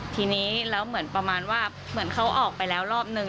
ทีนี้แล้วเหมือนประมาณว่าเหมือนเขาออกไปแล้วรอบนึง